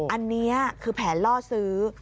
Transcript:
อันนี้คือแผนล่อซื้อ